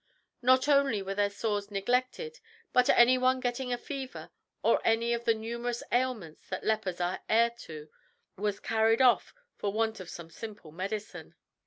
Not only were their sores neglected but any one getting a fever, or any of the numerous ailments that lepers are heir to, was carried off for want of some simple medicine.